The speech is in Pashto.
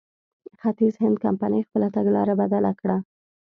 ختیځ هند کمپنۍ خپله تګلاره بدله کړه.